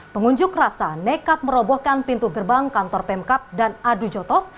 pengunjuk rasa nekat merobohkan pintu gerbang kantor pemkap dan adu jotos